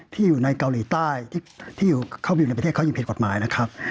ที่อยู่ในเกาหลีใต้ที่อยู่ในประเทศเขายืมเพศกฎหมายนะครับ